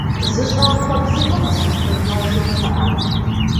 Зы щӏакхъуэ бзыгъэ къысхупыгъэжыт, кхъыӏэ.